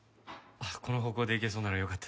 この方向でいけそうならよかったです。